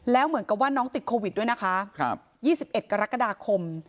แล้วเหมือนกับว่าน้องติดโควิดด้วยนะคะ๒๑กรกฎาคม